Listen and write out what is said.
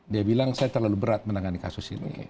dia bilang saya terlalu berat menangani kasus ini